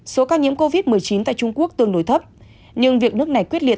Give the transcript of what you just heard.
số ca nhiễm covid một mươi chín tại trung quốc tương đối thấp nhưng việc nước này quyết liệt